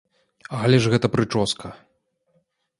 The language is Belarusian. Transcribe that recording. Але ж гэта прычоска.